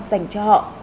dành cho họ